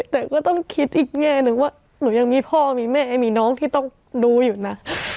แต่ก็ต้องคิดอีกแง่หนึ่งว่าหนูยังมีพ่อมีแม่มีน้องที่ต้องดูอยู่นะ